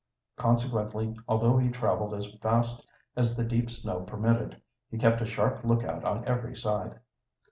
Consequently, although he traveled as fast as the deep snow permitted, he kept a sharp lookout on every side.